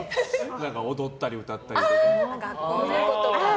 踊ったり歌ったりとか。